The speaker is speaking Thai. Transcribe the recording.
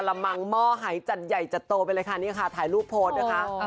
ละมังหม้อหายจัดใหญ่จัดโตไปเลยค่ะนี่ค่ะถ่ายรูปโพสต์นะคะ